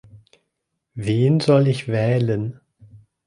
Wen soll ich wählen?